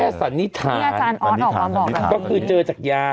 แค่สันนิษฐานนี่อาจารย์ออสออกมาบอกกันสันนิษฐานสันนิษฐานก็คือเจอจากยา